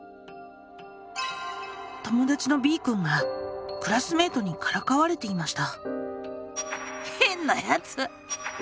友だちのＢくんがクラスメートにからかわれていました。